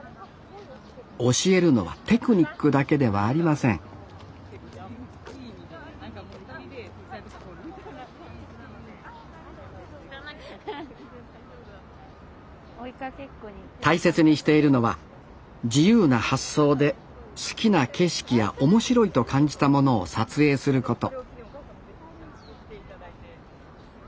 教えるのはテクニックだけではありません大切にしているのは自由な発想で好きな景色や面白いと感じたものを撮影すること